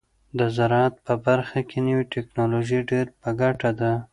د زراعت په برخه کې نوې ټیکنالوژي ډیره په ګټه ده.